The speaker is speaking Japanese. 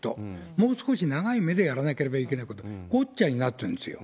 もう少し長い目でやらなければいけないこと、ごっちゃになってるんですよ。